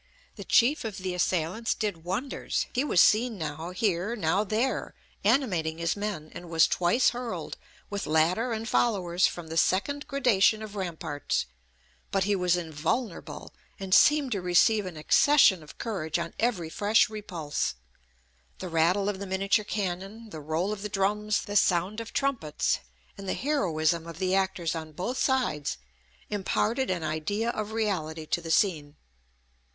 The chief of the assailants did wonders; he was seen now here, now there, animating his men, and was twice hurled, with ladder and followers, from the second gradation of ramparts: but he was invulnerable, and seemed to receive an accession of courage on every fresh repulse. The rattle of the miniature cannon, the roll of the drums, the sound of trumpets, and the heroism of the actors on both sides, imparted an idea of reality to the scene.